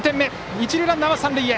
一塁ランナーは三塁へ。